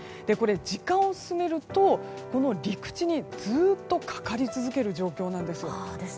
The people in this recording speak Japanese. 時間を進めるとこの陸地にずっとかかり続ける状況なんです。